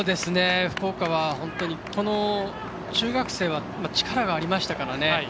福岡は本当に中学生は力がありましたからね。